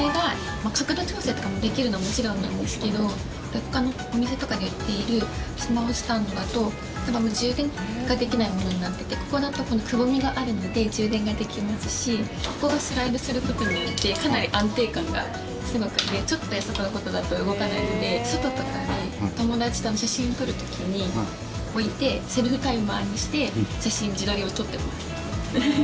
角度調整とかもできるのはもちろんなんですけどほかのお店とかで売っているスマホスタンドだと充電ができないものになっててここのところにくぼみがあるので充電ができますしここがスライドすることによってかなり、安定感がすごくてちょっとやそっとのことだと動かないので外とかで友達と写真を撮る時に置いてセルフタイマーにして写真、自撮りを撮ってます。